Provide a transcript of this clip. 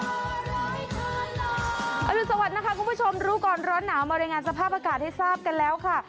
รุนสวัสดินะคะคุณผู้ชมรู้ก่อนร้อนหนาวมารายงานสภาพอากาศให้ทราบกันแล้วค่ะ